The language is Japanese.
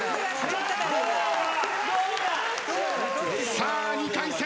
さあ２回戦。